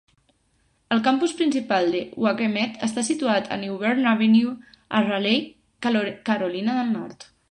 El campus principal de WakeMed està situat a New Bern Avenue a Raleigh, Carolina del Nord.